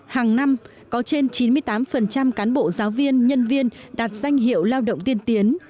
hàng năm có trên chín mươi tám cán bộ giáo viên nhân viên đạt danh hiệu lao động tiên tiến